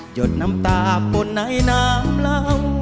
หยดน้ำตาปนไหนน้ำละ